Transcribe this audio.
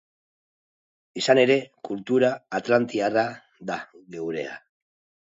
Izan ere, kultura atlantiarra da geurea.